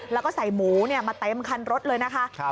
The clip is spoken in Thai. แล้วก็ใส่หมูมาเต็มคันรถเลยนะคะ